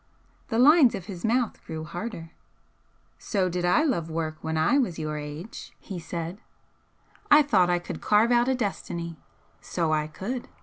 The lines of his mouth grew harder. "So did I love work when I was your age," he said "I thought I could carve out a destiny. So I could.